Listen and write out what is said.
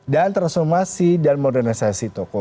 dan transformasi dan modernisasi toko